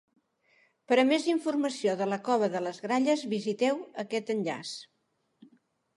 Per a més informació de la cova de les gralles visiteu aquest enllaç.